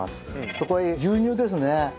そこへ牛乳ですね。